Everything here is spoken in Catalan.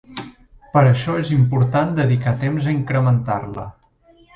Per això és important dedicar temps a incrementar-la.